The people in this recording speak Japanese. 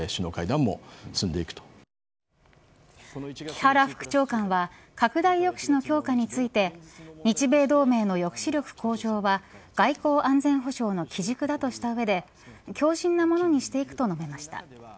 木原副長官は拡大抑止の強化について日米同盟の抑止力向上は外交安全保障の基軸だとした上で強靱なものにしていくと述べました。